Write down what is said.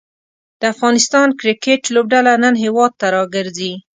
د افغانستان کریکټ لوبډله نن هیواد ته راګرځي.